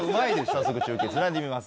早速中継つないでみます。